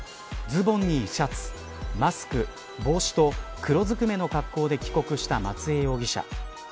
ズボンにシャツマスク、帽子と黒ずくめの格好で帰国した松江容疑者。